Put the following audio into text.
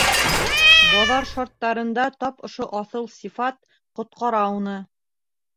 Баҙар шарттарында тап ошо аҫыл сифат ҡотҡара уны.